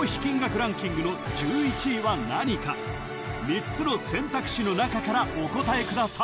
クイズ３つの選択肢の中からお答えください